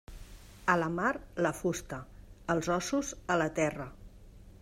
A la mar, la fusta; els ossos, a la terra.